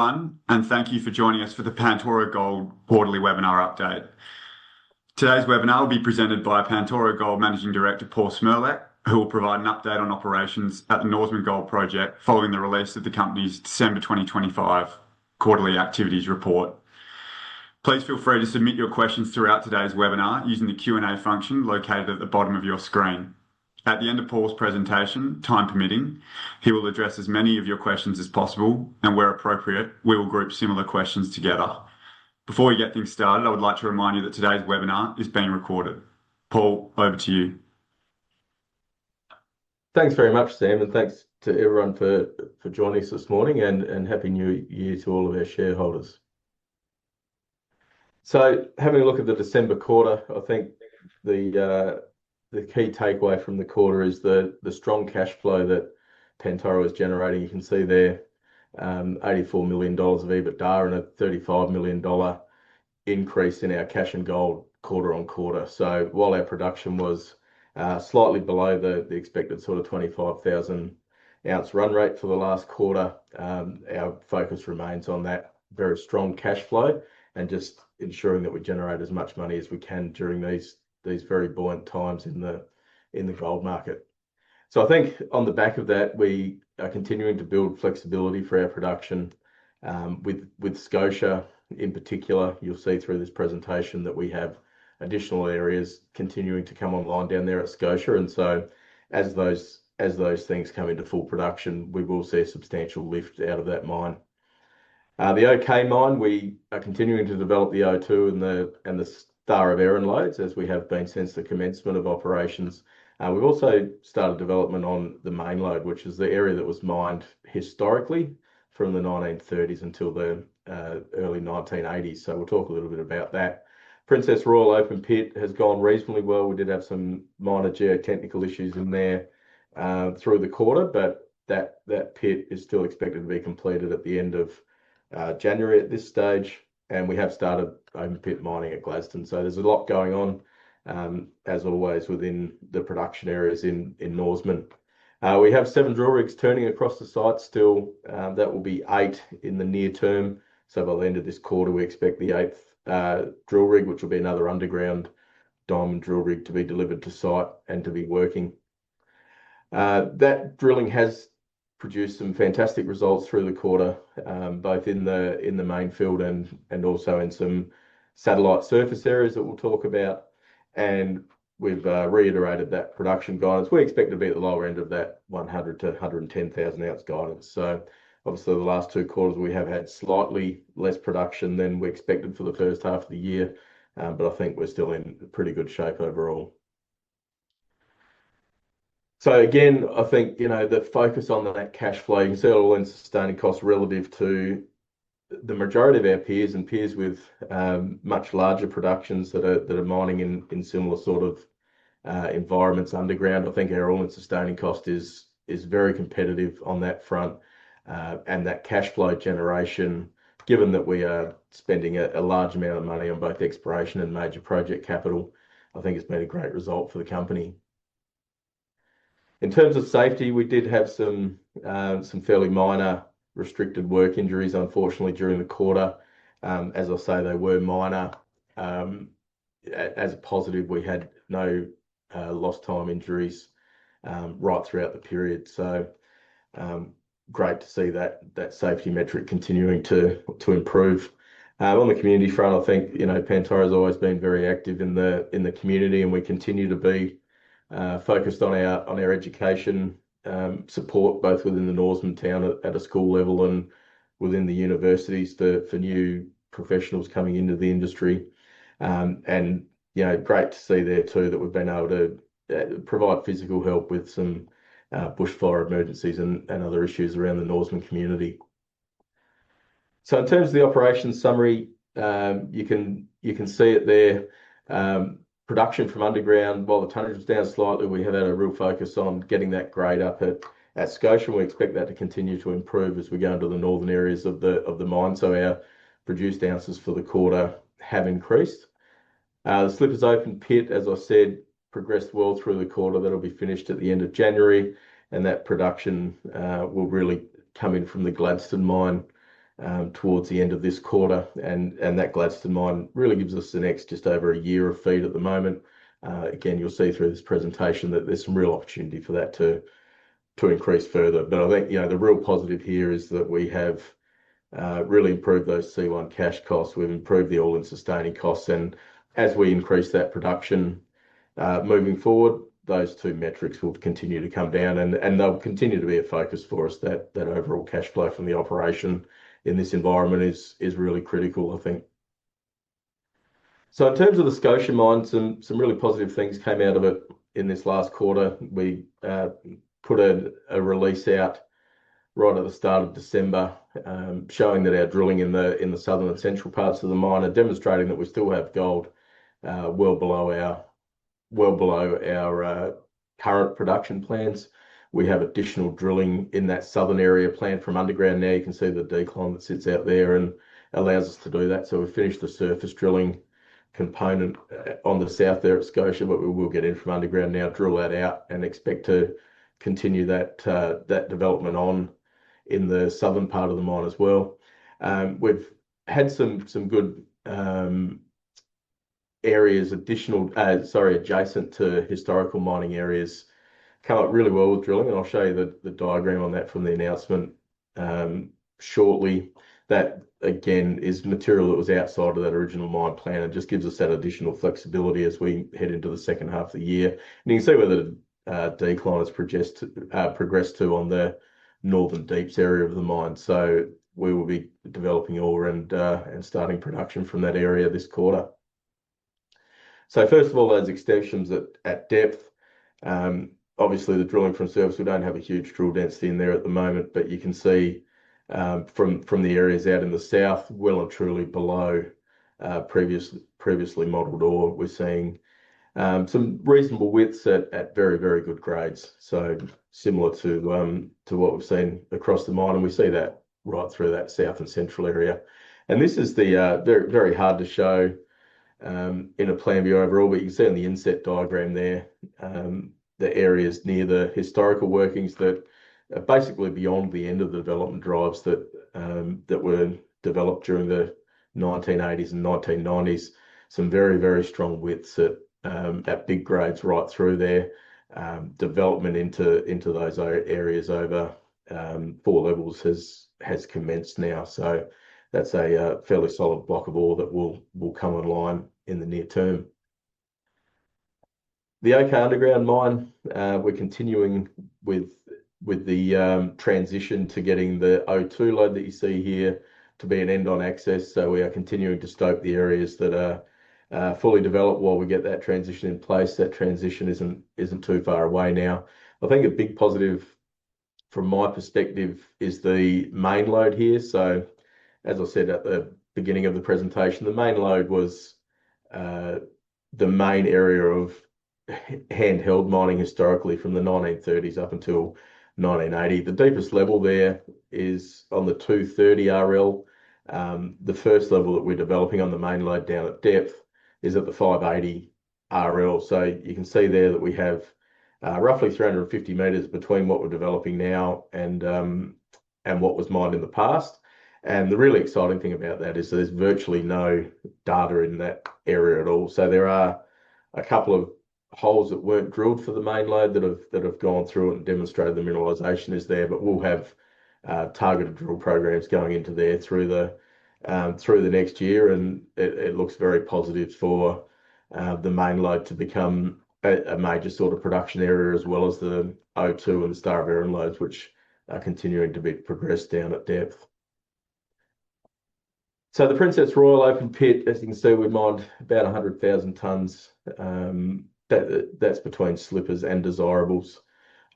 Everyone, and thank you for joining us for the Pantoro Gold Quarterly Webinar Update. Today's webinar will be presented by Pantoro Gold Managing Director, Paul Cmrlec, who will provide an update on operations at the Norseman Gold Project following the release of the company's December 2025 Quarterly Activities Report. Please feel free to submit your questions throughout today's webinar using the Q&A function located at the bottom of your screen. At the end of Paul's presentation, time permitting, he will address as many of your questions as possible, and where appropriate, we will group similar questions together. Before we get things started, I would like to remind you that today's webinar is being recorded. Paul, over to you. Thanks very much, Sam, and thanks to everyone for joining us this morning and Happy New Year to all of our shareholders. So having a look at the December quarter, I think the key takeaway from the quarter is the strong cash flow that Pantoro is generating. You can see there, 84 million dollars of EBITDA and a 35 million dollar increase in our cash and gold quarter on quarter. So while our production was slightly below the expected 25,000 ounce run rate for the last quarter, our focus remains on that very strong cash flow and just ensuring that we generate as much money as we can during these very buoyant times in the gold market. So I think on the back of that, we are continuing to build flexibility for our production with Scotia. In particular, you'll see through this presentation that we have additional areas continuing to come online down there at Scotia. And so as those things come into full production, we will see a substantial lift out of that mine. The OK Mine, we are continuing to develop the O2 and the Star of Erin lodes as we have been since the commencement of operations. We've also started development on the Main Lode, which is the area that was mined historically from the 1930s until the early 1980s. So we'll talk a little bit about that. Princess Royal open pit has gone reasonably well. We did have some minor geotechnical issues in there through the quarter, but that pit is still expected to be completed at the end of January at this stage. And we have started open pit mining at Gladstone. So there's a lot going on, as always, within the production areas in Norseman. We have seven drill rigs turning across the site still. That will be eight in the near term. So by the end of this quarter, we expect the eighth drill rig, which will be another underground diamond drill rig, to be delivered to site and to be working. That drilling has produced some fantastic results through the quarter, both in the Mainfield and also in some satellite surface areas that we'll talk about. And we've reiterated that production guidance. We expect to be at the lower end of that 100,000-110,000 ounce guidance. So obviously, the last two quarters, we have had slightly less production than we expected for the first half of the year, but I think we're still in pretty good shape overall. Again, I think the focus on that cash flow. You can see it All-in Sustaining Costs relative to the majority of our peers and peers with much larger productions that are mining in similar environments underground. I think our All-in Sustaining Cost is very competitive on that front. That cash flow generation, given that we are spending a large amount of money on both exploration and major project capital, I think it's been a great result for the company. In terms of safety, we did have some fairly minor restricted work injuries, unfortunately, during the quarter. As I say, they were minor. As a positive, we had no lost-time injuries right throughout the period. Great to see that safety metric continuing to improve. On the community front, I think Pantoro has always been very active in the community, and we continue to be focused on our education support, both within the Norseman town at a school level and within the universities for new professionals coming into the industry, and great to see there too that we've been able to provide physical help with some bushfire emergencies and other issues around the Norseman community, so in terms of the operation summary, you can see it there. Production from underground, while the tonnage was down slightly, we have had a real focus on getting that grade up at Scotia. We expect that to continue to improve as we go into the northern areas of the mine, so our produced ounces for the quarter have increased. The Slippers' open pit, as I said, progressed well through the quarter. That'll be finished at the end of January. And that production will really come in from the Gladstone mine towards the end of this quarter. And that Gladstone mine really gives us and just over a year of feed at the moment. Again, you'll see through this presentation that there's some real opportunity for that to increase further. But I think the real positive here is that we have really improved those C1 Cash Costs. We've improved the All-in Sustaining Costs. And as we increase that production moving forward, those two metrics will continue to come down. And they'll continue to be a focus for us. That overall cash flow from the operation in this environment is really critical, I think. So in terms of the Scotia mine, some really positive things came out of it in this last quarter. We put a release out right at the start of December showing that our drilling in the southern and central parts of the mine are demonstrating that we still have gold well below our current production plans. We have additional drilling in that southern area planned from underground. Now you can see the decline that sits out there and allows us to do that. So we finished the surface drilling component on the south there at Scotia, but we will get in from underground now, drill that out, and expect to continue that development on in the southern part of the mine as well. We've had some good areas, sorry, adjacent to historical mining areas come up really well with drilling. And I'll show you the diagram on that from the announcement shortly. That, again, is material that was outside of that original mine plan and just gives us that additional flexibility as we head into the second half of the year. And you can see where the decline has progressed to on the northern deeps area of the mine. So we will be developing ore and starting production from that area this quarter. So first of all, those extensions at depth. Obviously, the drilling from surface, we don't have a huge drill density in there at the moment, but you can see from the areas out in the south, well and truly below previously modeled ore, we're seeing some reasonable widths at very, very good grades. So similar to what we've seen across the mine. And we see that right through that south and central area. And this is very hard to show in a plan view overall, but you can see on the inset diagram there the areas near the historical workings that are basically beyond the end of the development drives that were developed during the 1980s and 1990s. Some very, very strong widths at big grades right through there. Development into those areas over four levels has commenced now. So that's a fairly solid block of ore that will come online in the near term. The OK underground mine, we're continuing with the transition to getting the O2 lode that you see here to be an end-on access. So we are continuing to scope the areas that are fully developed while we get that transition in place. That transition isn't too far away now. I think a big positive from my perspective is the Main Lode here. As I said at the beginning of the presentation, the Main Lode was the main area of handheld mining historically from the 1930s up until 1980. The deepest level there is on the 230 RL. The first level that we're developing on the Main Lode down at depth is at the 580 RL. You can see there that we have roughly 350 meters between what we're developing now and what was mined in the past. The really exciting thing about that is there's virtually no data in that area at all. There are a couple of holes that weren't drilled for the Main Lode that have gone through it and demonstrated the mineralization is there, but we'll have targeted drill programs going into there through the next year. It looks very positive for the Main Lode to become a major production area as well as the O2 and the Star of Erin lodes, which are continuing to be progressed down at depth. The Princess Royal open pit, as you can see, we mined about 100,000 tonnes. That's between Slippers and Desirables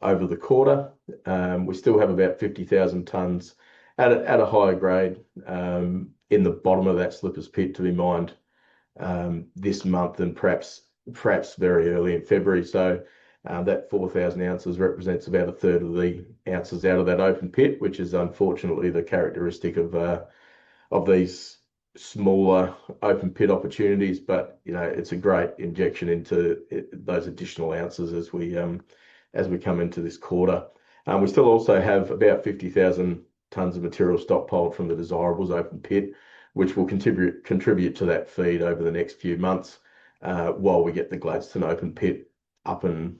over the quarter. We still have about 50,000 tonnes at a higher grade in the bottom of that Slippers pit to be mined this month and perhaps very early in February. That 4,000 ounces represents about a third of the ounces out of that open pit, which is unfortunately the characteristic of these smaller open pit opportunities. It's a great injection into those additional ounces as we come into this quarter. We still also have about 50,000 tonnes of material stockpiled from the Desirables open pit, which will contribute to that feed over the next few months while we get the Gladstone open pit up and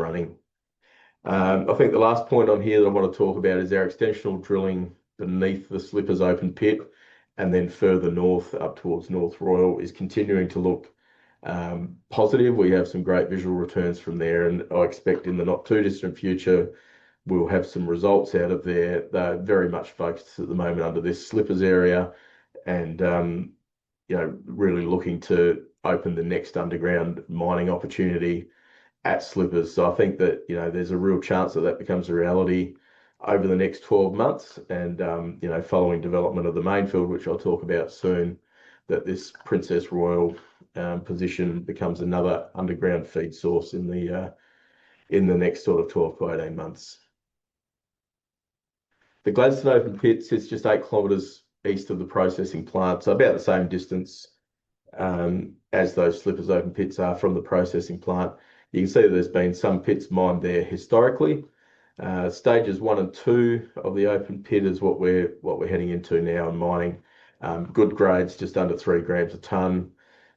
running. I think the last point on here that I want to talk about is our extensional drilling beneath the Slippers open pit and then further north up towards North Royal is continuing to look positive. We have some great visual returns from there. And I expect in the not too distant future, we'll have some results out of there. They're very much focused at the moment under this Slippers area and really looking to open the next underground mining opportunity at Slippers. So I think that there's a real chance that that becomes a reality over the next 12 months. And following development of the Mainfield, which I'll talk about soon, that this Princess Royal position becomes another underground feed source in the next 12 to 18 months. The Gladstone open pit sits just eight kilometers east of the processing plant. So about the same distance as those Slippers open pits are from the processing plant. You can see that there's been some pits mined there historically. Stages one and two of the open pit is what we're heading into now and mining good grades, just under three grams a tonne.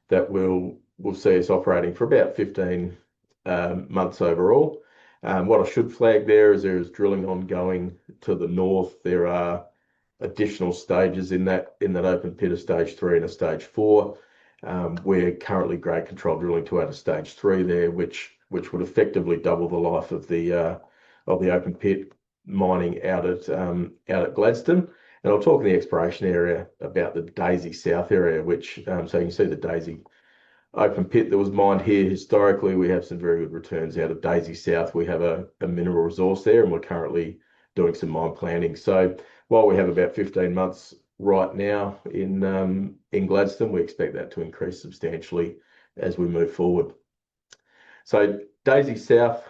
That will see us operating for about fifteen months overall. What I should flag there is there is drilling ongoing to the north. There are additional stages in that open pit, a stage three and a stage four. We're currently grade control drilling to add a stage three there, which would effectively double the life of the open pit mining out at Gladstone. And I'll talk in the exploration area about the Daisy South area, which, so you can see the Daisy open pit that was mined here historically. We have some very good returns out of Daisy South. We have a mineral resource there, and we're currently doing some mine planning. So while we have about 15 months right now in Gladstone, we expect that to increase substantially as we move forward. So Daisy South,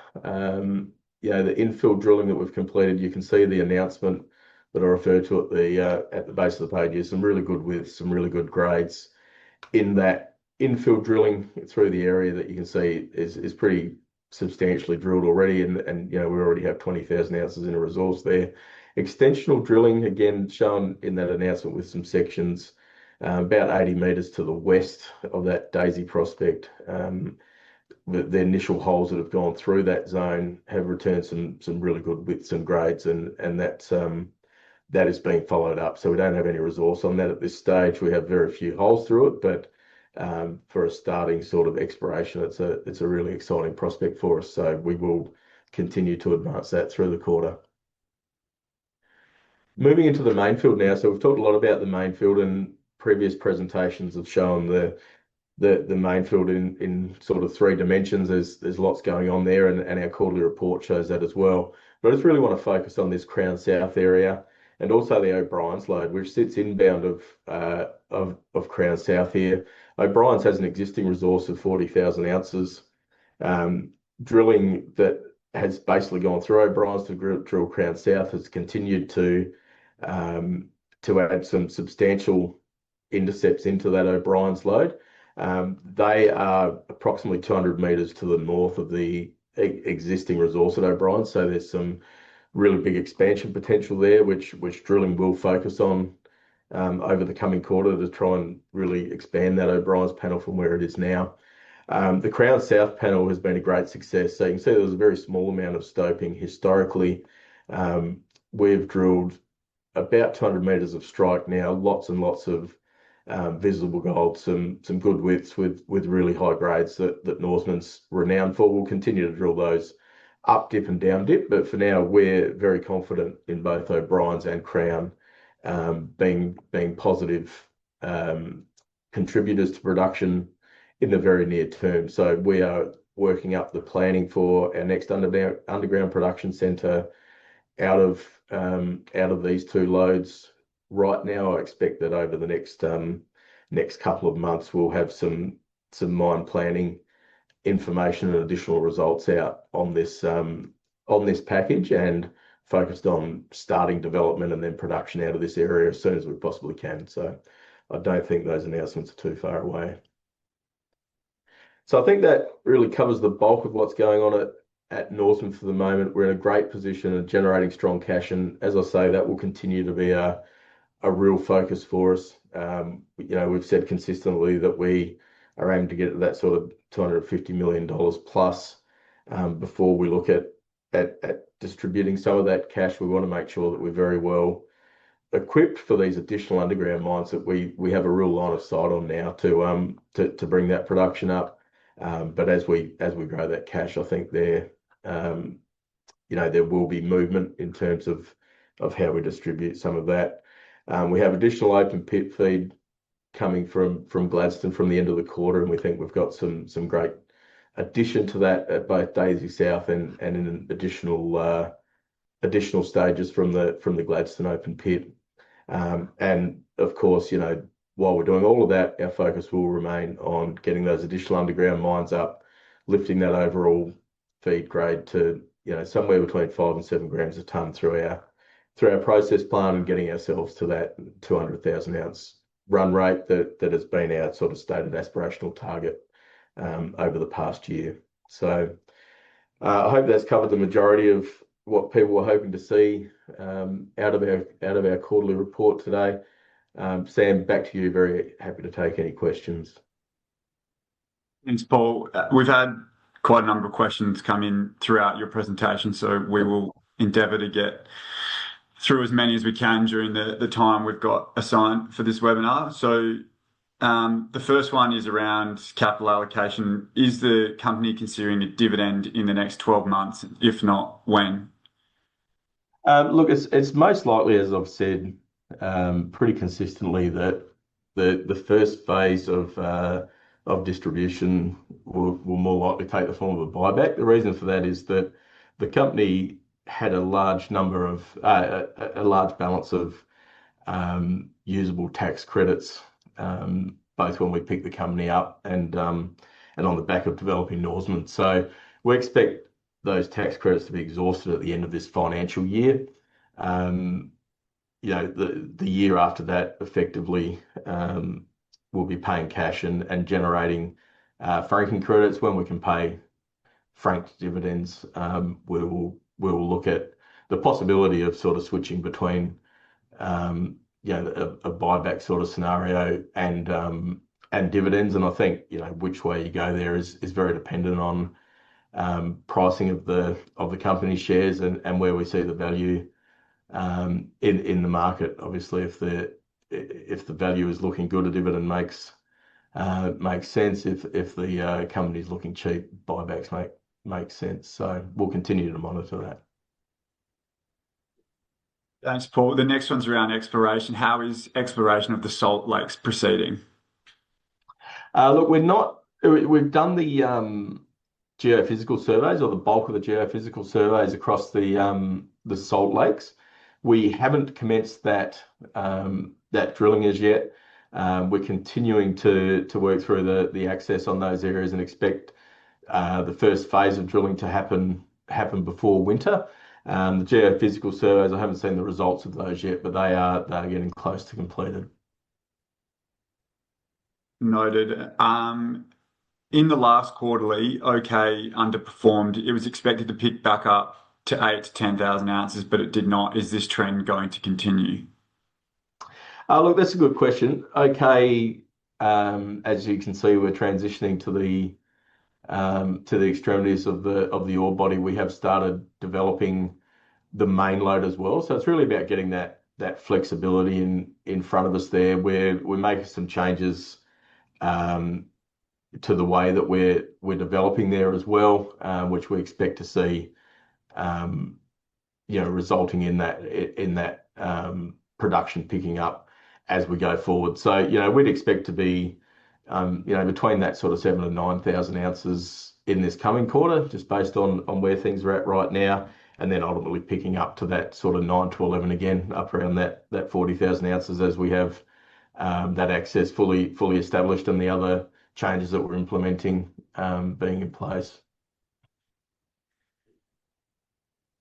the infill drilling that we've completed, you can see the announcement that I referred to at the bottom of the page is some really good widths, some really good grades. In that infill drilling through the area that you can see is pretty substantially drilled already, and we already have 20,000 ounces in a resource there. Extensional drilling, again, shown in that announcement with some sections about 80 meters to the west of that Daisy prospect. The initial holes that have gone through that zone have returned some really good widths and grades, and that is being followed up. So we don't have any resource on that at this stage. We have very few holes through it, but for a starting exploration, it's a really exciting prospect for us. So we will continue to advance that through the quarter. Moving into the Mainfield now. So we've talked a lot about the Mainfield, and previous presentations have shown the Mainfield in three dimensions. There's lots going on there, and our quarterly report shows that as well. But I just really want to focus on this Crown South area and also the O'Briens' lode, which sits inbound of Crown South here. O'Briens has an existing resource of 40,000 ounces. Drilling that has basically gone through O'Briens to drill Crown South has continued to add some substantial intercepts into that O'Briens lode. They are approximately 200 meters to the north of the existing resource at O'Briens. So there's some really big expansion potential there, which drilling will focus on over the coming quarter to try and really expand that O'Briens panel from where it is now. The Crown South panel has been a great success. So you can see there's a very small amount of stoping historically. We've drilled about 200 meters of strike now, lots and lots of visible gold, some good widths with really high grades that Norseman's renowned for. We'll continue to drill those up dip and down dip. But for now, we're very confident in both O'Briens and Crown being positive contributors to production in the very near term. So we are working up the planning for our next underground production centre out of these two lodes right now. I expect that over the next couple of months, we'll have some mine planning information and additional results out on this package and focused on starting development and then production out of this area as soon as we possibly can. So I don't think those announcements are too far away. So I think that really covers the bulk of what's going on at Norseman for the moment. We're in a great position of generating strong cash. And as I say, that will continue to be a real focus for us. We've said consistently that we are aiming to get that 250 million dollars plus before we look at distributing some of that cash. We want to make sure that we're very well equipped for these additional underground mines that we have a real line of sight on now to bring that production up. But as we grow that cash, I think there will be movement in terms of how we distribute some of that. We have additional open pit feed coming from Gladstone from the end of the quarter, and we think we've got some great addition to that at both Daisy South and in additional stages from the Gladstone open pit. Of course, while we're doing all of that, our focus will remain on getting those additional underground mines up, lifting that overall feed grade to somewhere between five and seven grams a tonne through our process plant and getting ourselves to that 200,000 ounce run rate that has been our stated aspirational target over the past year. I hope that's covered the majority of what people were hoping to see out of our quarterly report today. Sam, back to you. Very happy to take any questions. Thanks, Paul. We've had quite a number of questions come in throughout your presentation, so we will endeavor to get through as many as we can during the time we've got assigned for this webinar. The first one is around capital allocation. Is the company considering a dividend in the next 12 months? If not, when? Look, it's most likely, as I've said pretty consistently, that the first phase of distribution will more likely take the form of a buyback. The reason for that is that the company had a large balance of usable tax credits, both when we picked the company up and on the back of developing Norseman. So we expect those tax credits to be exhausted at the end of this financial year. The year after that, effectively, we'll be paying cash and generating franking credits. When we can pay franked dividends, we will look at the possibility of switching between a buyback scenario and dividends. And I think which way you go there is very dependent on pricing of the company's shares and where we see the value in the market. Obviously, if the value is looking good, a dividend makes sense. If the company's looking cheap, buybacks make sense, so we'll continue to monitor that. Thanks, Paul. The next one's around exploration. How is exploration of the salt lakes proceeding? Look, we've done the geophysical surveys or the bulk of the geophysical surveys across the salt lakes. We haven't commenced that drilling as yet. We're continuing to work through the access on those areas and expect the first phase of drilling to happen before winter. The geophysical surveys, I haven't seen the results of those yet, but they are getting close to completed. Noted. In the last quarter, the OK underperformed. It was expected to pick back up to eight-10,000 ounces, but it did not. Is this trend going to continue? Look, that's a good question. OK, as you can see, we're transitioning to the extremities of the ore body. We have started developing the Main Lode as well. It's really about getting that flexibility in front of us there where we're making some changes to the way that we're developing there as well, which we expect to see resulting in that production picking up as we go forward. We'd expect to be between that seven and 9,000 ounces in this coming quarter, just based on where things are at right now, and then ultimately picking up to that 9 to 11 again, up around that 40,000 ounces as we have that access fully established and the other changes that we're implementing being in place.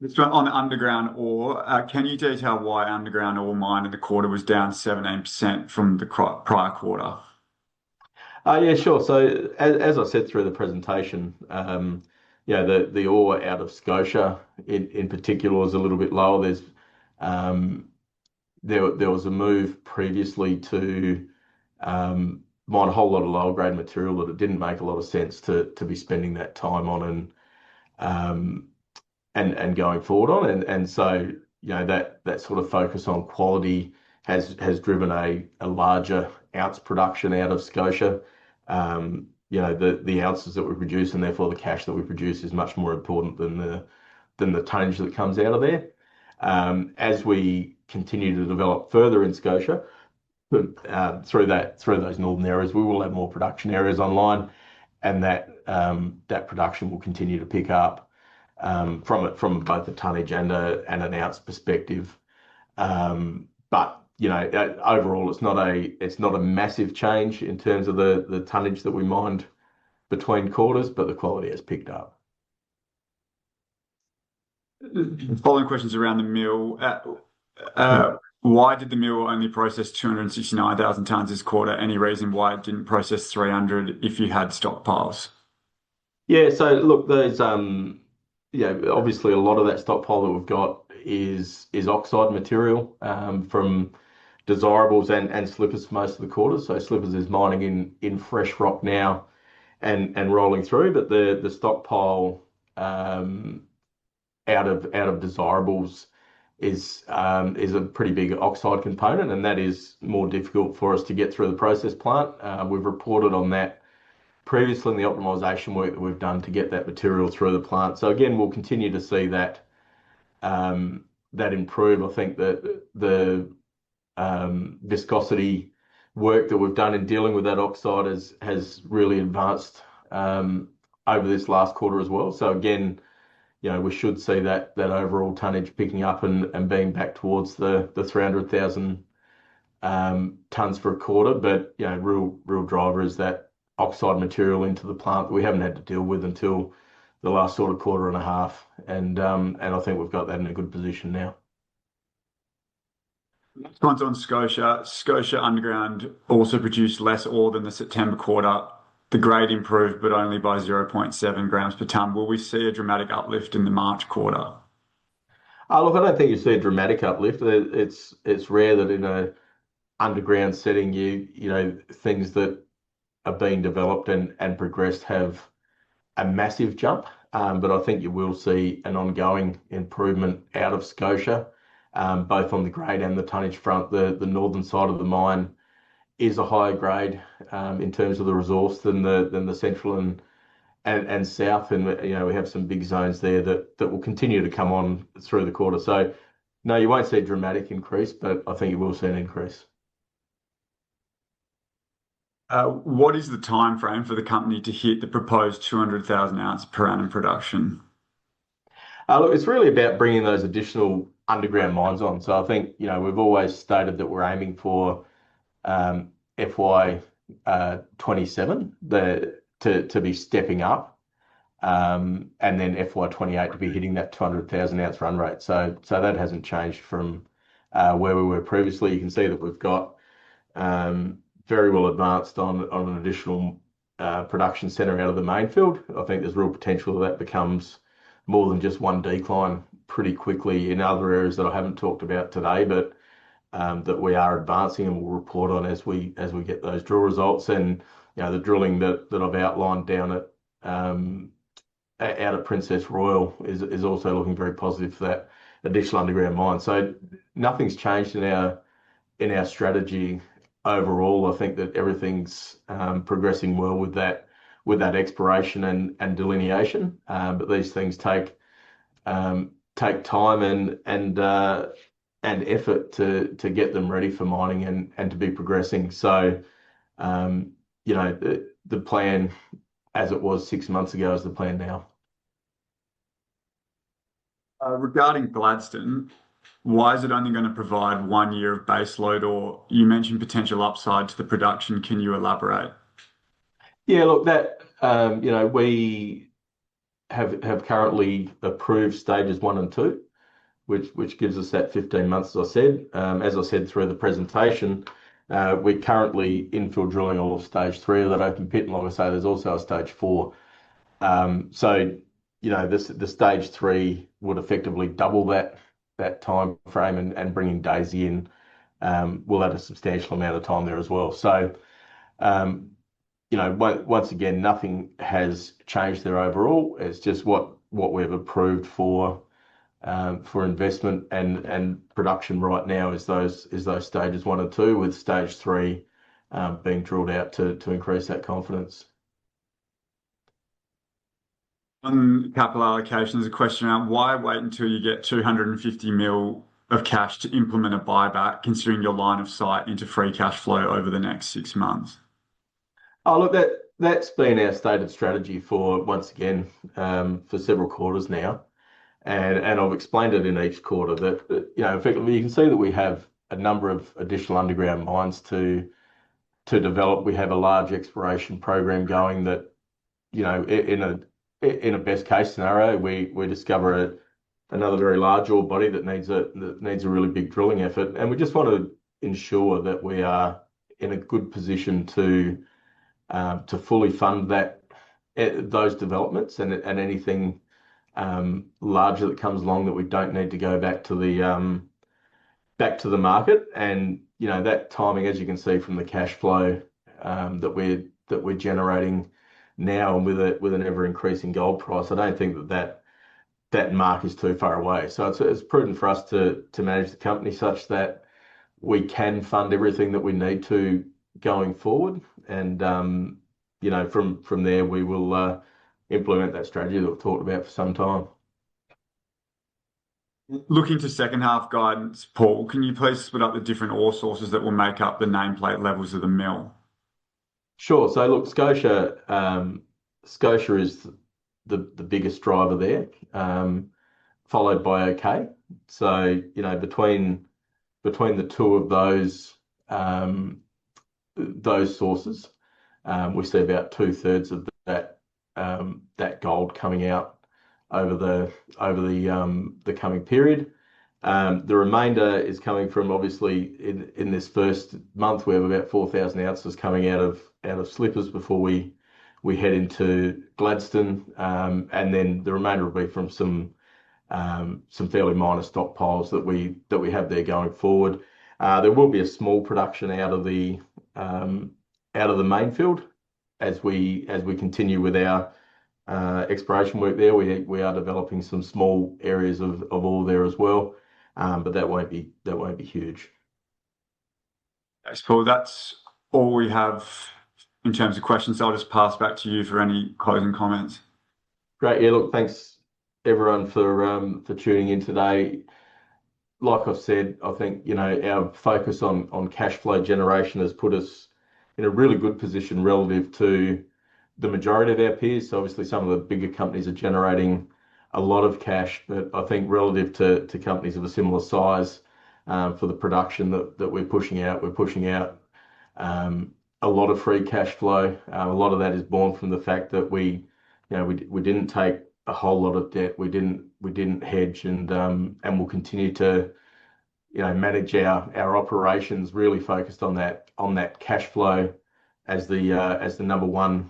Mr. John, on underground ore, can you detail why underground ore mine in the quarter was down 17% from the prior quarter? As I said through the presentation, the ore out of Scotia in particular was a little bit lower. There was a move previously to mine a whole lot of lower-grade material that it didn't make a lot of sense to be spending that time on and going forward on. And so that focus on quality has driven a larger ounce production out of Scotia. The ounces that we produce and therefore the cash that we produce is much more important than the tons that comes out of there. As we continue to develop further in Scotia through those northern areas, we will have more production areas online, and that production will continue to pick up from both a tonnage and an ounce perspective. But overall, it's not a massive change in terms of the tonnage that we mine between quarters, but the quality has picked up. Following questions around the mill. Why did the mill only process 269,000 tons this quarter? Any reason why it didn't process 300 if you had stockpiles? So look, obviously, a lot of that stockpile that we've got is oxide material from Desirables and Slippers for most of the quarter. So Slippers is mining in fresh rock now and rolling through. But the stockpile out of Desirables is a pretty big oxide component, and that is more difficult for us to get through the process plant. We've reported on that previously in the optimization work that we've done to get that material through the plant. So again, we'll continue to see that improve. I think the viscosity work that we've done in dealing with that oxide has really advanced over this last quarter as well. So again, we should see that overall tonnage picking up and being back towards the 300,000 tonnes for a quarter. But real driver is that oxide material into the plant that we haven't had to deal with until the last quarter and a half. And I think we've got that in a good position now. Next one's on Scotia. Scotia underground also produced less ore than the September quarter. The grade improved, but only by 0.7 grams per tonne. Will we see a dramatic uplift in the March quarter? Look, I don't think you see a dramatic uplift. It's rare that in an underground setting, things that are being developed and progressed have a massive jump. But I think you will see an ongoing improvement out of Scotia, both on the grade and the tonnage front. The northern side of the mine is a higher grade in terms of the resource than the central and south. We have some big zones there that will continue to come on through the quarter. No, you won't see a dramatic increase, but I think you will see an increase. What is the timeframe for the company to hit the proposed 200,000 ounce per annum production? Look, it's really about bringing those additional underground mines on. I think we've always stated that we're aiming for FY27 to be stepping up and then FY28 to be hitting that 200,000 ounce run rate. That hasn't changed from where we were previously. You can see that we've got very well advanced on an additional production centre out of the Mainfield. I think there's real potential that that becomes more than just one decline pretty quickly in other areas that I haven't talked about today, but that we are advancing and will report on as we get those drill results. And the drilling that I've outlined down out of Princess Royal is also looking very positive for that additional underground mine. So nothing's changed in our strategy overall. I think that everything's progressing well with that exploration and delineation. But these things take time and effort to get them ready for mining and to be progressing. So the plan, as it was six months ago, is the plan now. Regarding Gladstone, why is it only going to provide one year of base load? Or you mentioned potential upside to the production. Can you elaborate? We have currently approved stages one and two, which gives us that 15 months, as I said. As I said through the presentation, we're currently infill drilling all of stage three of that open pit. And like I say, there's also a stage four. So the stage three would effectively double that timeframe, and bringing Daisy in will add a substantial amount of time there as well. So once again, nothing has changed there overall. It's just what we have approved for investment and production right now is those stages one and two, with stage three being drilled out to increase that confidence. On capital allocations, a question around why wait until you get 250 million of cash to implement a buyback, considering your line of sight into free cash flow over the next six months? Look, that's been our stated strategy for, once again, for several quarters now. And I've explained it in each quarter that you can see that we have a number of additional underground mines to develop. We have a large exploration program going that, in a best-case scenario, we discover another very large ore body that needs a really big drilling effort. And we just want to ensure that we are in a good position to fully fund those developments and anything larger that comes along that we don't need to go back to the market. And that timing, as you can see from the cash flow that we're generating now and with an ever-increasing gold price, I don't think that that mark is too far away. So it's prudent for us to manage the company such that we can fund everything that we need to going forward. And from there, we will implement that strategy that we've talked about for some time. Looking to second-half guidance, Paul, can you please split up the different ore sources that will make up the nameplate levels of the mill? Sure. So look, Scotia is the biggest driver there, followed by OK. So between the two of those sources, we see about two-thirds of that gold coming out over the coming period. The remainder is coming from, obviously, in this first month, we have about 4,000 ounces coming out of Slippers before we head into Gladstone. And then the remainder will be from some fairly minor stockpiles that we have there going forward. There will be a small production out of the Mainfield as we continue with our exploration work there. We are developing some small areas of ore there as well. But that won't be huge. Thanks, Paul. That's all we have in terms of questions. I'll just pass back to you for any closing comments. Thanks everyone for tuning in today. Like I've said, I think our focus on cash flow generation has put us in a really good position relative to the majority of our peers. So obviously, some of the bigger companies are generating a lot of cash. But I think relative to companies of a similar size for the production that we're pushing out, we're pushing out a lot of free cash flow. A lot of that is born from the fact that we didn't take a whole lot of debt. We didn't hedge. And we'll continue to manage our operations really focused on that cash flow as the number one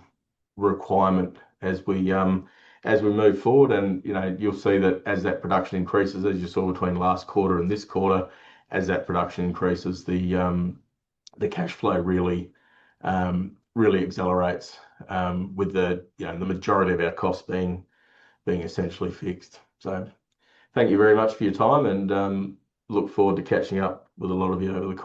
requirement as we move forward. And you'll see that as that production increases, as you saw between last quarter and this quarter, as that production increases, the cash flow really accelerates with the majority of our costs being essentially fixed. So thank you very much for your time. And look forward to catching up with a lot of you over the.